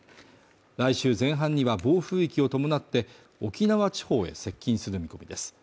来週前半には暴風域を伴って沖縄地方へ接近する見込みです